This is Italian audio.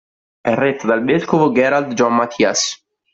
È retta dal vescovo Gerald John Mathias.